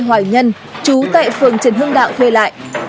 đối tượng lê hoài nhân trú tại phường trần hưng đạo thuê lại